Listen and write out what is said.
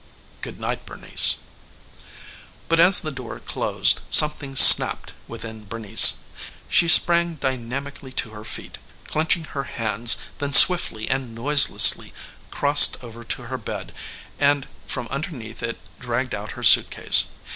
"Good night Bernice." But as the door closed something snapped within Bernice. She sprang dynamically to her feet, clinching her hands, then swiftly and noiseless crossed over to her bed and from underneath it dragged out her suitcase.